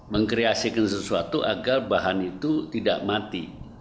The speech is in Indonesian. mengkreasikan sesuatu agar bahan itu tidak mati